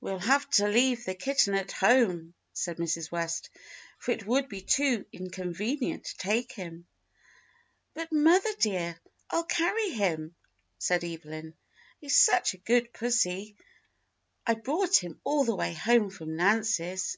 "We'll have to leave the kitten at home," said Mrs. West, "for it would be too inconvenient to take him." "But, mother dear, I'll carry him," said Evelyn. He's such a good pussy, I brought him all the way home from Nancy's."